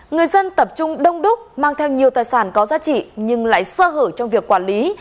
người dân tập trung đông đúc mang theo nhiều tài sản có giá trị nhưng lại sơ hở trong việc quản lý